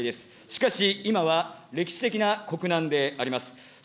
しかし、今は歴史的な国難であります。